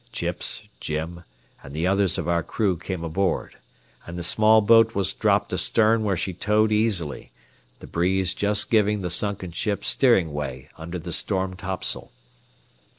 Chips, Jim, and the others of our crew came aboard, and the small boat was dropped astern where she towed easily, the breeze just giving the sunken ship steering way under the storm topsail.